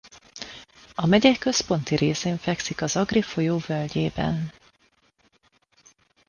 A megye központi részén fekszik az Agri folyó völgyében.